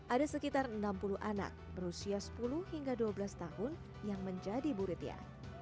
ada sekitar enam puluh anak berusia sepuluh hingga dua belas tahun yang menjadi muridnya